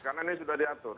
karena ini sudah diatur